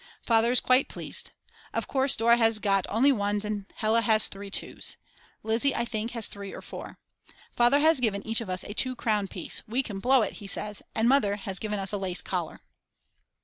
Father is quite pleased. Of course Dora has got only ones and Hella has three twos. Lizzi, I think, has 3 or 4. Father has given each of us a 2 crown piece, we can blow it, he says and Mother has given us a lace collar.